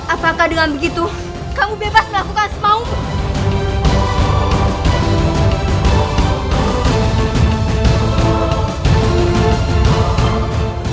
apakah dengan begitu kamu bebas melakukan semau